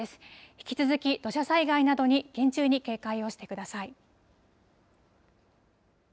引き続き土砂災害などに厳重に警戒をしてください。